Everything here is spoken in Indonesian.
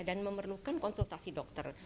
dan memerlukan konsultasi dokter